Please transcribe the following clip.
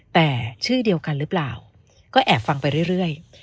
แต่ชื่อเดียวกันหรือเปล่าก็แอบฟังไปเรื่อย